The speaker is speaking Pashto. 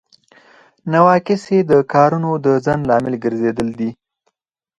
نواقص یې د کارونو د ځنډ لامل ګرځیدل دي.